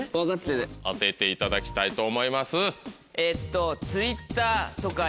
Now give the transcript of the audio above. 当てていただきたいと思います。